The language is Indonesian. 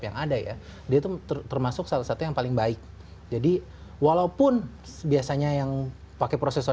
yang ada ya dia tuh termasuk salah satu yang paling baik jadi walaupun biasanya yang pakai prosesor